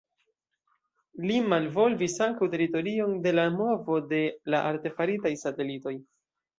Li malvolvis ankaŭ teorion de la movo de la artefaritaj satelitoj.